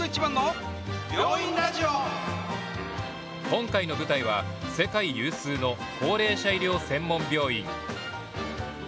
今回の舞台は世界有数の高齢者医療専門病院。